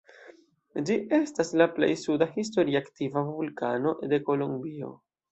Ĝi estas la plej suda historie aktiva vulkano de Kolombio.